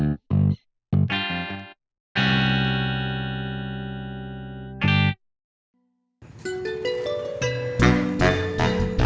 nanti kita beli